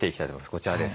こちらです。